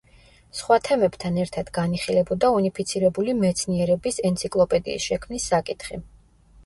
სხვა თემებთან ერთად განიხილებოდა „უნიფიცირებული მეცნიერების ენციკლოპედიის“ შექმნის საკითხი.